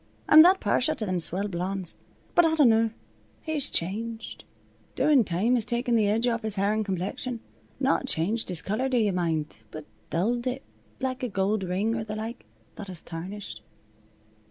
I'm that partial to them swell blondes. But I dinnaw, he's changed. Doin' time has taken the edge off his hair an' complexion. Not changed his color, do yuh mind, but dulled it, like a gold ring, or the like, that has tarnished."